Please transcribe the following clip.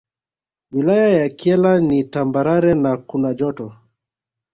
Wilaya ya Kyela ni Tambarale na kuna Joto